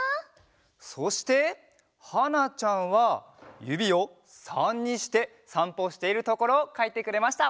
そしてはなちゃんはゆびを３にしてさんぽしているところをかいてくれました。